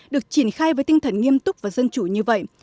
được triển khai với tinh thần nghiêm túc và dân chủ như vậy